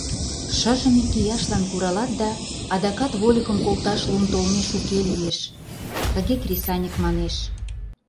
Шыжым, икияшлан куралат да, адакат вольыкым колташ лум толмеш уке лиеш», — тыге кресаньык манеш.